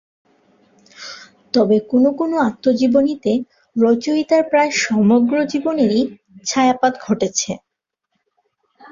তবে কোনো কোনো আত্মজীবনীতে রচয়িতার প্রায় সমগ্র জীবনেরই ছায়াপাত ঘটেছে।